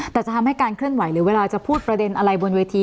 แต่จะทำให้การเคลื่อนไหวหรือเวลาจะพูดประเด็นอะไรบนเวที